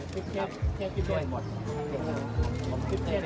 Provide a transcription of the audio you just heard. พี่พ่อกลับไปชะเทศนะพี่พ่อกลับไปชะเทศนะ